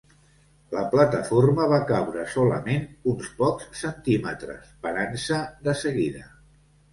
La plataforma va caure solament uns pocs centímetres, parant-se de seguida.